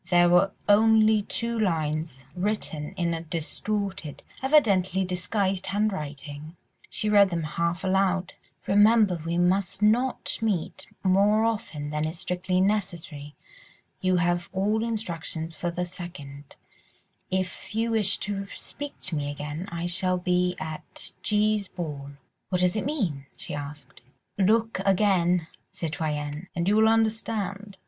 There were only two lines, written in a distorted, evidently disguised, handwriting; she read them half aloud— "'Remember we must not meet more often than is strictly necessary. You have all instructions for the 2nd. If you wish to speak to me again, I shall be at G.'s ball.'" "What does it mean?" she asked. "Look again, citoyenne, and you will understand."